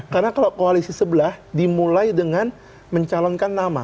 karena kalau koalisi sebelah dimulai dengan mencalonkan nama